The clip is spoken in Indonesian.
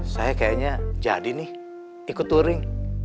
saya kayaknya jadi nih ikut touring